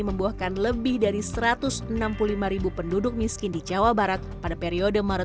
membuahkan lebih dari satu ratus enam puluh lima penduduk miskin di jawa barat pada periode maret